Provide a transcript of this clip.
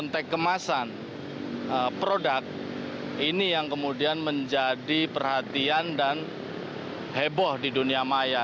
konteks kemasan produk ini yang kemudian menjadi perhatian dan heboh di dunia maya